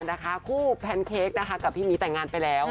นะคะคู่แพนเค้กนะคะกับพี่มีแต่งงานไปแล้ว